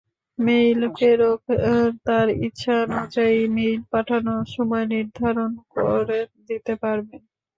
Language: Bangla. মেইল প্রেরক তাঁর ইচ্ছানুযায়ী মেইল পাঠানোর সময় নির্ধারণ করে দিতে পারবেন।